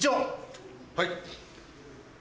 はい。